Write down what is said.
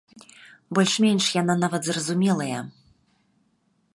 Больш-менш яна нават зразумелая.